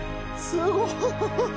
すごい。